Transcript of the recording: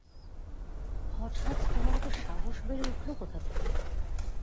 হঠাৎ তোমার এত সাহস বেড়ে উঠল কোথা থেকে?